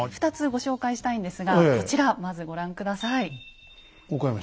２つご紹介したいんですがこちらまずご覧下さい。